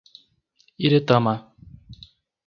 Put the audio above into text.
Iretama